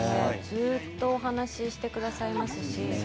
ずっとお話ししてくださいますし。